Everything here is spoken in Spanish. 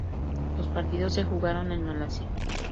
Los partidos se jugaron en Malasia.